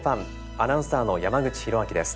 アナウンサーの山口寛明です。